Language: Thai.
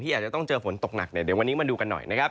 อาจจะต้องเจอฝนตกหนักเนี่ยเดี๋ยววันนี้มาดูกันหน่อยนะครับ